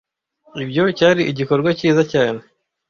Ibyo cyari igikorwa cyiza cyane.